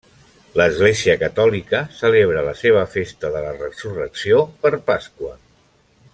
L'Església Catòlica celebra la seva festa de la resurrecció per Pasqua.